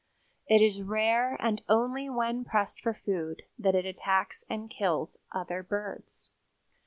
It is rare and only when pressed for food that it attacks and kills other birds.